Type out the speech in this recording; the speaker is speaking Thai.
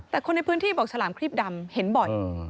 แต่คนในพื้นที่บอกฉลามครีบดำเห็นบ่อย